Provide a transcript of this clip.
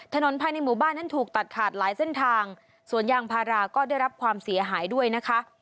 ถนนภายในหมู่บ้านนั้นถูกตัดขาดหลายเส้นทางสวนยางพาราก็ได้รับความเสียหายด้วยนะคะ